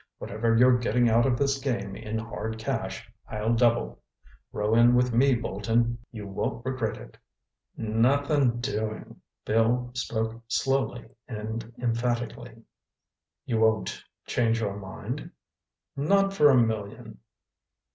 Whatever you're getting out of this game in hard cash, I'll double. Row in with me, Bolton. You won't regret it." "Nothing doing." Bill spoke slowly and emphatically. "You won't—change your mind?" "Not for a million."